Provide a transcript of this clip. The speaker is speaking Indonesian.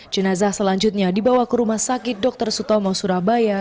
jenazah selanjutnya dibawa ke rumah sakit dr sutomo surabaya